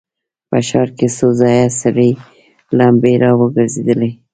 په ښار کې څو ځایه سرې لمبې را وګرځېدې.